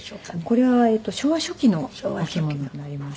これは昭和初期のお着物になります。